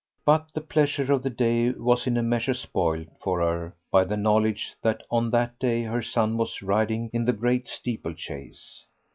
But the pleasure of the day was in a measure spoilt for her by the knowledge that on that day her son was riding in the great steeplechase.